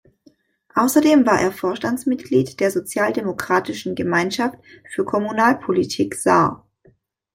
Außerdem war er Vorstandsmitglied der Sozialdemokratischen Gemeinschaft für Kommunalpolitik Saar.